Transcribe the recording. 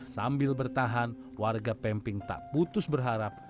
sambil bertahan warga pemping tak putus berharap